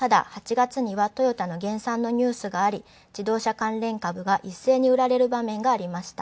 ただ、８月にはトヨタの減産のニュースがありいっせいに売られる場面がありました。